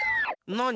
なに？